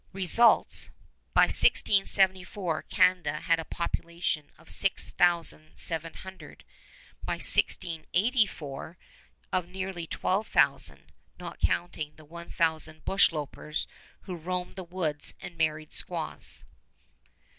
Results: by 1674 Canada had a population of six thousand seven hundred; by 1684, of nearly twelve thousand, not counting the one thousand bush lopers who roamed the woods and married squaws.